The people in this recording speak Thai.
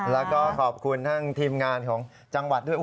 แล้วก็ขอบคุณทั้งทีมงานของจังหวัดด้วย